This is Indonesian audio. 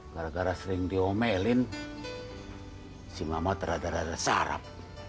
gara gara sering diomelin si mama terada rada sarap